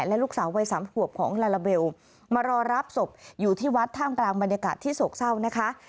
และลูกสาววัยสามขวบของลาลาเบลมารอรับศพอยู่ที่วัดท่ามกลางบรรยากาศที่โศกเศร้านะคะ